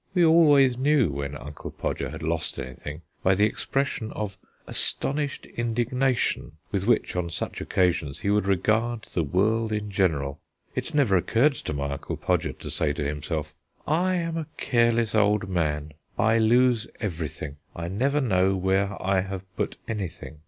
We always knew when Uncle Podger had lost anything, by the expression of astonished indignation with which, on such occasions, he would regard the world in general. It never occurred to my Uncle Podger to say to himself: "I am a careless old man. I lose everything: I never know where I have put anything.